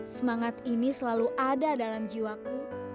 semangat ini selalu ada dalam jiwaku